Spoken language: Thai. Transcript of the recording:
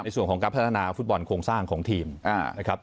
ในส่วนของการพัฒนาฟุตบอลโครงสร้างของทีมนะครับ